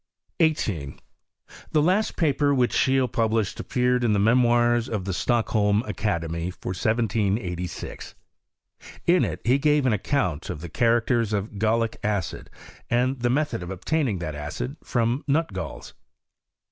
18. TTie last paper which Scheele published ap peared in the Memoirs of the Stockholm Academy, lor 17SG : in it he gave an account of the characters of gallic acid, and the method of obtaining that acid from nu trails.